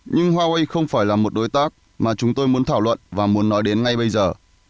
nhưng huawei không phải là một đối tác mà chúng tôi muốn thảo luận và muốn nói đến ngay bây giờ